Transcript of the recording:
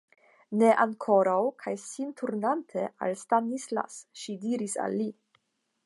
Ne ankoraŭ, kaj sin turnante al Stanislas, ŝi diris al li.